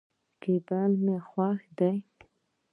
کېبل مو خوښ دی.